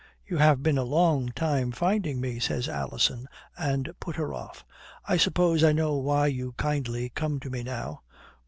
"You have been a long time finding me," says Alison and put her off. "I suppose I know why you kindly come to me now."